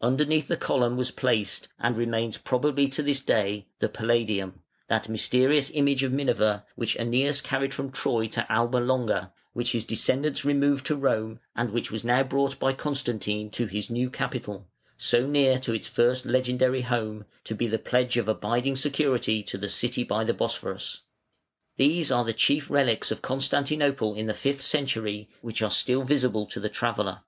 Underneath the column was placed (and remains probably to this day) the Palladium, that mysterious image of Minerva, which Æneas carried from Troy to Alba Longa, which his descendants removed to Rome, and which was now brought by Constantine to his new capital, so near to its first legendary home, to be the pledge of abiding security to the city by the Bosphorus. These are the chief relics of Constantinople in the fifth century which are still visible to the traveller.